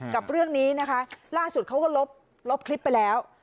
กับเรื่องนี้นะคะล่าสุดเขาก็ลบคลิปไปแล้ว